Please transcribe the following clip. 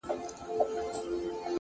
مثبت چلند د ستونزو رنګ بدلوي!